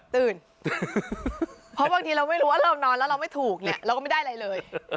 เพราะบางทีเราไม่รู้ว่าเรานอนแล้วเราไม่ถูกเนี่ยเราก็ไม่ได้อะไรเลย